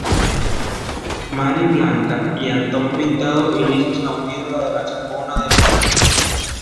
Mari Blanca y Antón Pintado inician la huida de la Chacona del convento.